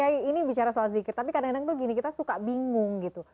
pak kiai ini bicara soal zikir tapi kadang kadang tuh gini kita suka bingung gitu